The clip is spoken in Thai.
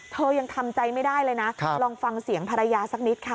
เธอยังทำใจไม่ได้เลยนะลองฟังเสียงภรรยาสักนิดค่ะ